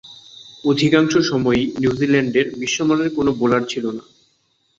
অধিকাংশ সময়ই নিউজিল্যান্ডের বিশ্বমানের কোন বোলার ছিল না।